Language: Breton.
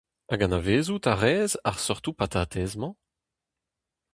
Hag anavezout a rez ar seurtoù patatez-mañ ?